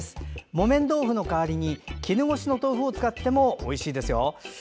木綿豆腐の代わりに絹ごしの豆腐を使ってもおいしいですよ。